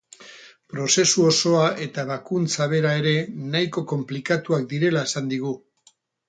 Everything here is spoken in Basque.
Prozesu osoa eta ebakuntza bera ere nahiko konplikatuak direla esan digu.